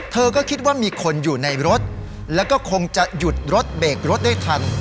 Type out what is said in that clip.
เธอก็คิดว่ามีคนอยู่ในรถแล้วก็คงจะหยุดรถเบรกรถได้ทัน